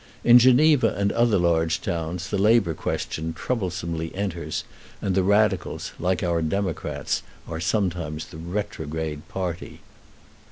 In Geneva and other large towns the labor question troublesomely enters, and the radicals, like our Democrats, are sometimes the retrograde party.